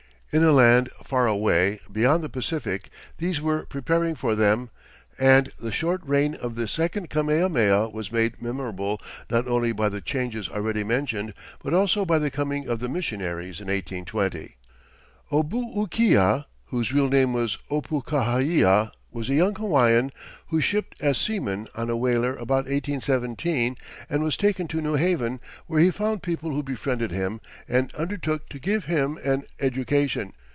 In a land far away beyond the Pacific these were preparing for them, and the short reign of this second Kamehameha was made memorable not only by the changes already mentioned but also by the coming of the missionaries, in 1820. Obookiah, whose real name was Opukahaia, was a young Hawaiian who shipped as seaman on a whaler about 1817, and was taken to New Haven, where he found people who befriended him and undertook to give him an education.